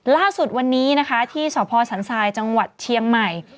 ล่าสุดวันนี้นะคะที่สพสันทรายจังหวัดเชียงใหม่